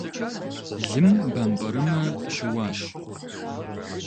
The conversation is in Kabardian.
Лым бампӏэрымэ щыуащ.